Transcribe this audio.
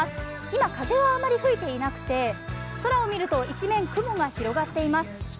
今、風はあまり吹いていなくて空を見ると一面、雲が広がっています。